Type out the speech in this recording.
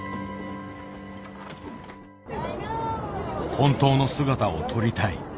本当の姿を撮りたい。